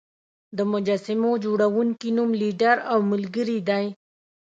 د مجسمو جوړونکي نوم ګیلډر او ملګري دی.